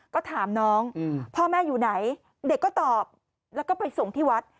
ก็ถามน้องพ่อแม่อยู่ไหนเด็กก็ตอบแล้วก็ไปส่งที่วัด